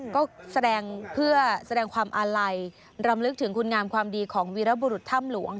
ก็แสดงเพื่อแสดงความอาลัยรำลึกถึงคุณงามความดีของวีรบุรุษถ้ำหลวง